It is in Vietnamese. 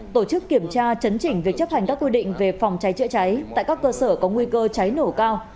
tổ chức kiểm tra chấn chỉnh việc chấp hành các quy định về phòng cháy chữa cháy tại các cơ sở có nguy cơ cháy nổ cao